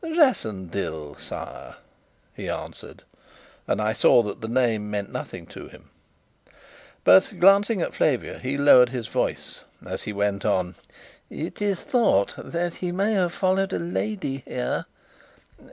"Rassendyll, sire," he answered; and I saw that the name meant nothing to him. But, glancing at Flavia, he lowered his voice, as he went on: "It is thought that he may have followed a lady here.